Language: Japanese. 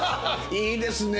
いいですね。